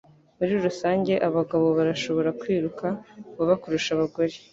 Muri rusange abagabo barashobora kwiruka vuba kurusha abagore